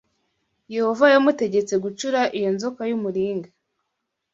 Yehova yamutegetse gucura iyo nzoka y’umuringa